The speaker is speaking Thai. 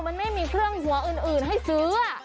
มันไม่มีเครื่องหัวอื่นให้ซื้อ